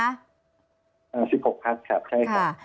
๑๖พักครับใช่ครับ